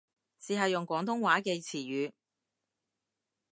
試下用廣東話嘅詞語